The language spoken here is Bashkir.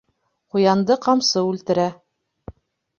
Ҡуянды ҡамсы үлтерә.